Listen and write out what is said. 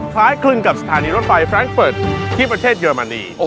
คล้ายคลึงกับสถานีรถไฟแฟรงคเฟิร์ตที่ประเทศเยอรมนี